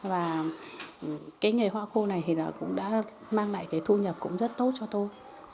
và cái nghề hoa khô này thì nó cũng đã mang lại cái thu nhập cũng rất tốt cho tôi